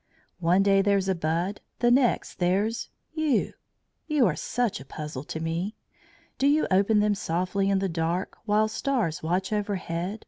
One day there's a bud; the next, there's you! You are such a puzzle to me. Do you open them softly in the dark, While stars watch overhead?